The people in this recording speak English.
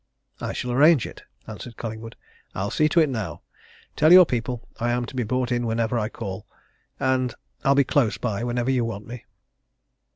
"I shall arrange it," answered Collingwood. "I'll see to it now. Tell your people I am to be brought in whenever I call. And I'll be close by whenever you want me."